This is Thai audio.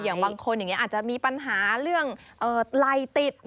บางคนอย่างนี้อาจจะมีปัญหาเรื่องไล่ติด